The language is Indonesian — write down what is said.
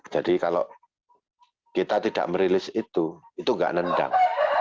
jadi kalau kita tidak merilis itu itu gak nendang